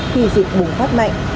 khi dịch bùng phát mạnh